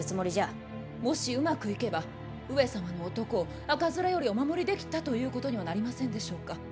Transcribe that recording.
もしうまくいけば上様の男を赤面よりお守りできたということにはなりませんでしょうか。